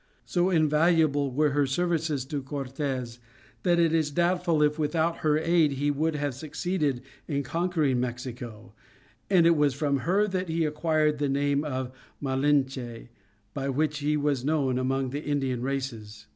So invaluable were her services to Cortes that it is doubtful if without her aid he would have succeeded in conquering Mexico, and it was from her that he acquired the name of Malinche by which he was known among the Indian races.